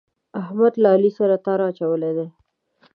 احمد له علي سره تار اچولی دی.